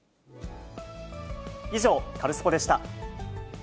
以上、カルスポっ！でした。